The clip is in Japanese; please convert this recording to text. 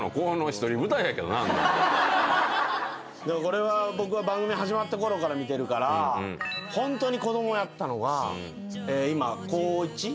でもこれは僕は番組始まったころから見てるからホントに子供やったのが今高１？